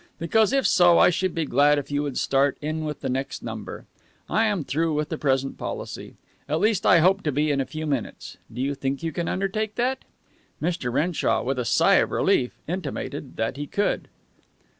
Because, if so, I should be glad if you would start in with the next number. I am through with the present policy. At least, I hope to be in a few minutes. Do you think you can undertake that?" Mr. Renshaw, with a sigh of relief, intimated that he could.